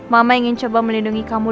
mama ingin coba melindungi kamu